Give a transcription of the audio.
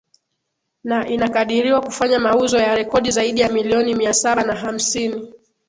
Na inakadiriwa kafanya mauzo ya rekodi zaidi ya milioni mia saba na hamsini